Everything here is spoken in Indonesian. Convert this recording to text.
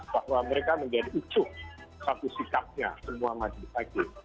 bahwa mereka menjadi ucuk satu sikapnya semua magis hakim